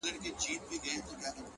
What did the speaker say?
چي د ملا خبري پټي ساتي;